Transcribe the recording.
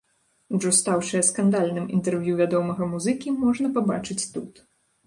Ужо стаўшае скандальным інтэрв'ю вядомага музыкі можна пабачыць тут.